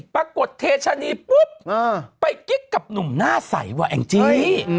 ปรากฏเทชะนีปุ๊บไปกิ๊กกับหนุ่มหน้าใสว่ะแองจี้